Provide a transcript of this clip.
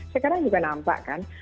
sekarang juga nampak kan